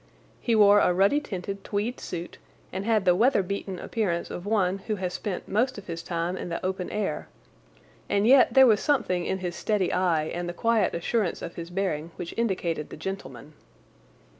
He wore a ruddy tinted tweed suit and had the weather beaten appearance of one who has spent most of his time in the open air, and yet there was something in his steady eye and the quiet assurance of his bearing which indicated the gentleman.